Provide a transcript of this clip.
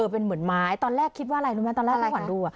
เป็นเหมือนไม้ตอนแรกคิดว่าอะไรรู้ไหมตอนแรกน้องขวัญดู